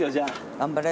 頑張れ。